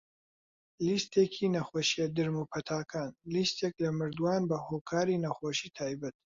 لیستێکی نەخۆشیە درم و پەتاکان - لیستێک لە مردووان بەهۆکاری نەخۆشی تایبەت.